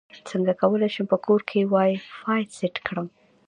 څنګه کولی شم په کور کې وائی فای سیټ کړم